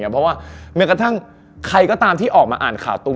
เพราะว่าแม้กระทั่งใครก็ตามที่ออกมาอ่านข่าวตรง